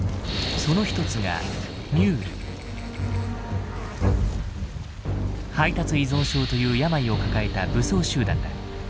その一つが「配達依存症」という病を抱えた武装集団だ。